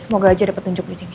semoga aja ada petunjuk di sini